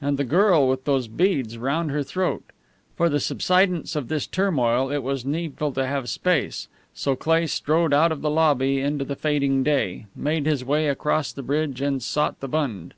And the girl with those beads round her throat! For the subsidence of this turmoil it was needful to have space; so Cleigh strode out of the lobby into the fading day, made his way across the bridge, and sought the Bund.